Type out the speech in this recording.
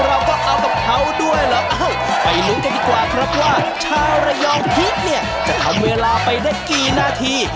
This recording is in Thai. ว่าชาวเรียลพริกเนี่ยจะทำเวลาไปได้กี่นาที